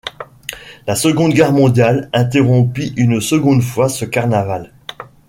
La Seconde Guerre mondiale interrompit une seconde fois ce carnaval.